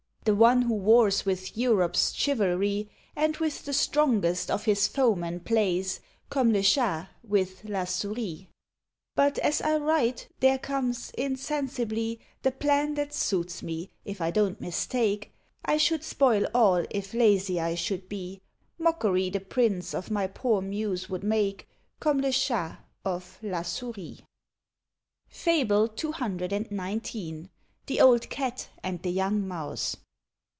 The one who wars with Europe's chivalry; And with the strongest of his foemen plays, Comme le Chat with la Souris? But as I write, there comes, insensibly, The plan that suits me, if I don't mistake; I should spoil all if lazy I should be: Mockery the Prince of my poor muse would make, Comme le Chat of la Souris. FABLE CCXIX. THE OLD CAT AND THE YOUNG MOUSE.